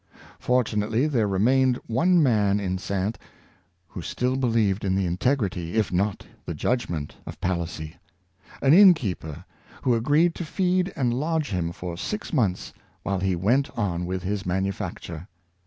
Fortunately there remained one man in Saintes who still believed in the integrity, if not in the judgment, of Palissy — an inn keeper, who agreed to feed and lodge him for six months, while he went on with his manufacture.